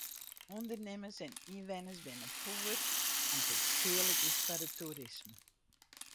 Undernimmers en ynwenners binne poer om't it skealik is foar it toerisme.